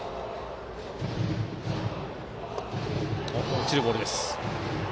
落ちるボールです。